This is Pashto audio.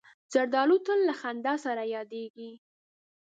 زردالو تل له خندا سره یادیږي.